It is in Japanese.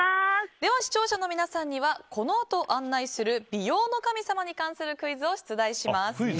では、視聴者の皆さんにはこのあと案内する美容の神様に関するクイズを出題します。